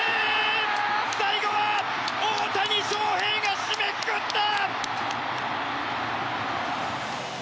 最後は大谷翔平が締めくくった！